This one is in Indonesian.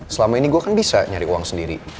selama ini gue kan bisa nyari uang sendiri